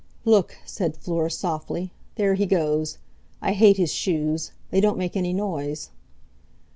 "Look!" said Fleur softly. "There he goes! I hate his shoes; they don't make any noise."